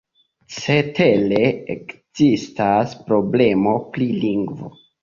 Cetere, ekzistas problemo pri lingvo.